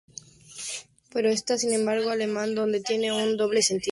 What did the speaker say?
Pero no es así en alemán, donde tiene un doble sentido.